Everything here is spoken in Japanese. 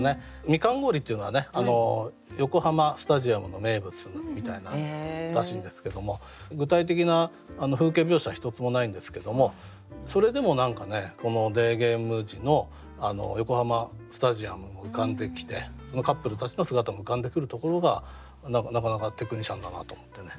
「みかん氷」っていうのは横浜スタジアムの名物らしいんですけども具体的な風景描写は一つもないんですけどもそれでも何かデーゲーム時の横浜スタジアムも浮かんできてそのカップルたちの姿も浮かんでくるところがなかなかテクニシャンだなと思ってね。